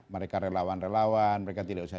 mereka relawan relawan mereka tidak bisa